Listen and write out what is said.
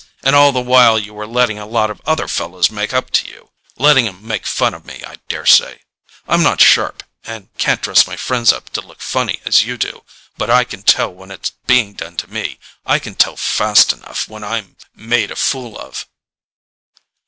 And all the while you were letting a lot of other fellows make up to you ... letting 'em make fun of me, I daresay ... I'm not sharp, and can't dress my friends up to look funny, as you do ... but I can tell when it's being done to me.... I can tell fast enough when I'm made a fool of...."